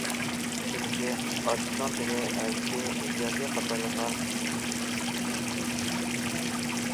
چۈنكى ئارتىسنىڭ تىلى، ھەرىكىتى، ھېسسىياتى قاتارلىقلار ئۇنى بەدىئىي ئوبرازغا ئايلاندۇرغان.